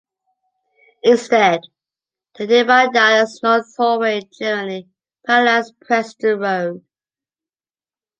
Instead, the nearby Dallas North Tollway generally parallels Preston Road.